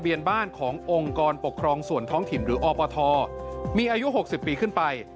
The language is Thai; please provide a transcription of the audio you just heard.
บ้านขององค์กรปกครองส่วนท้องถิ่นหรืออปทมีอายุ๖๐ปีขึ้นไป